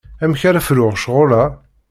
Amek ara fruɣ ccɣel-a?